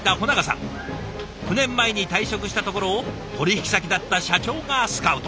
９年前に退職したところを取引先だった社長がスカウト。